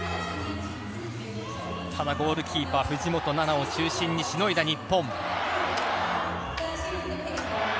ただ、ゴールキーパー・藤本那菜を中心にしのいだ日本。